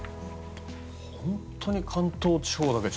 本当に関東地方だけ